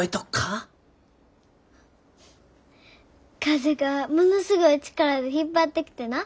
風がものすごい力で引っ張ってきてな。